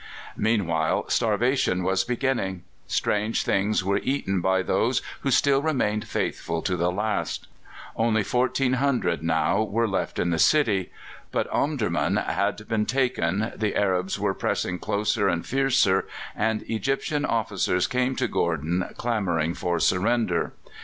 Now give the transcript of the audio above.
Meanwhile, starvation was beginning: strange things were eaten by those who still remained faithful to the last. Only 14,000 now were left in the city. But Omdurman had been taken, the Arabs were pressing closer and fiercer, and Egyptian officers came to Gordon clamouring for surrender.